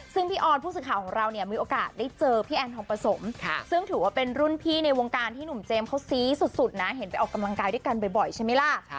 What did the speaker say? ซึ่งพี่ออนผู้สื่อข่าวของเราเนี่ยมีโอกาสได้เจอพี่แอนทองประสมซึ่งถือว่าเป็นรุ่นพี่ในวงการที่หนุ่มเจมส์เขาซี้สุดนะเห็นไปออกกำลังกายด้วยกันบ่อยใช่ไหมล่ะ